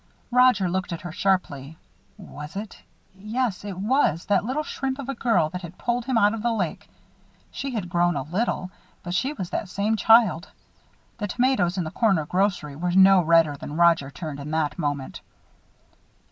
Roger looked at her sharply. Was it yes, it was that little shrimp of a girl that had pulled him out of the lake. She had grown a little, but she was that same child. The tomatoes in the corner grocery were no redder than Roger turned in that moment.